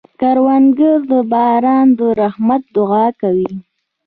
کروندګر د باران د رحمت دعا کوي